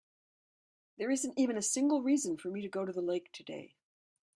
There isn't even a single reason for me to go to the lake today.